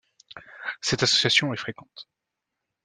Cette association est fréquente.